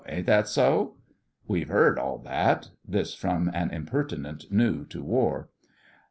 Ain't that so?' 'We've 'eard all that.' This from an impertinent, new to War.